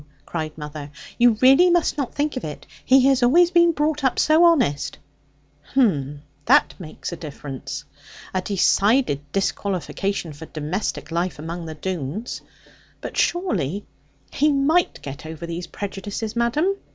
cried mother: 'you really must not think of it. He has always been brought up so honest ' 'Hem! that makes a difference. A decided disqualification for domestic life among the Doones. But, surely, he might get over those prejudices, madam?'